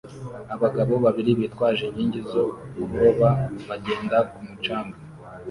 Abagabo babiri bitwaje inkingi zo kuroba bagenda ku mucanga